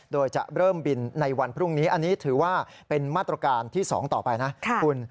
โดยจะเริ่มบินในวันพรุ่งนี้อันนี้ถือว่าเป็นมาตรการที่๒ต่อไปนะคุณ